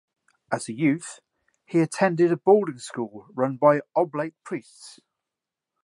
As a youth, he attended a boarding school run by Oblate priests.